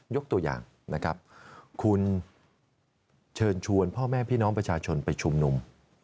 ยกตัวอย่างนะครับคุณเชิญชวนพ่อแม่พี่น้องประชาชนไปชุมนุม